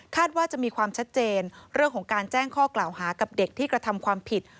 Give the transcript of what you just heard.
ว่าจะมีความชัดเจนเรื่องของการแจ้งข้อกล่าวหากับเด็กที่กระทำความผิด